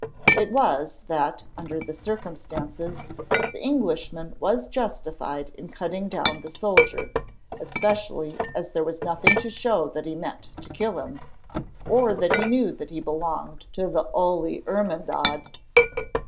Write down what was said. It was, that, under the circumstances, the Englishman was justified in cutting down the soldier, especially as there was nothing to show that he meant to kill him, or that he knew that he belonged to the Holy Hermandad.